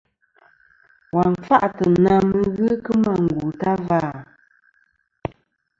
Wa n-kfâʼtɨ̀ na mɨ n-ghɨ kɨmɨ àngù ta va à?